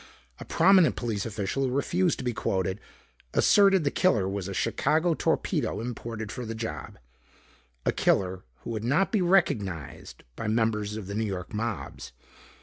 A prominent police official who refused to be quoted asserted the killer was a Chicago torpedo imported for the job, a killer who would not be recognized by members of the New York mobs.